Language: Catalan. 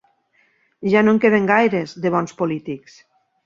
Ja no en queden gaires, de bons polítics.